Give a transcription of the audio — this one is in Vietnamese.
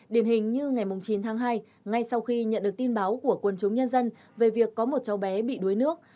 điển hình như ngày chín tháng hai ngay sau khi nhận được tin báo của quân chúng nhân dân về việc có một cháu bé bị đuối nước